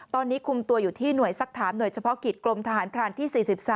ตอนนี้คุมตัวอยู่ที่หน่วยสักถามหน่วยเฉพาะกิจกรมทหารพรานที่๔๓